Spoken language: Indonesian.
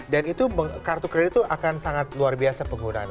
dan itu kartu kredit itu akan sangat luar biasa penggunaannya